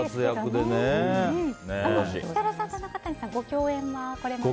設楽さんと中谷さんご共演はこれまで？